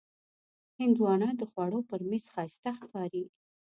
هندوانه د خوړو پر میز ښایسته ښکاري.